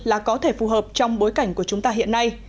là có thể phù hợp trong bối cảnh của chúng ta hiện nay